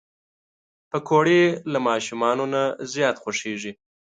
پکورې له ماشومانو نه زیات خوښېږي